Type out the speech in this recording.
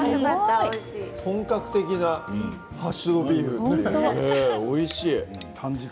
本格的なハッシュドビーフ、おいしい。